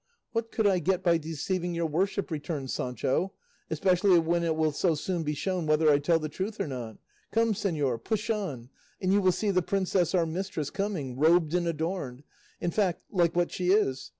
"What could I get by deceiving your worship," returned Sancho, "especially when it will so soon be shown whether I tell the truth or not? Come, señor, push on, and you will see the princess our mistress coming, robed and adorned in fact, like what she is.